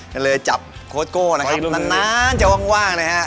ก็เลยจับโค้ดโก้นะครับนานจะว่างนะฮะ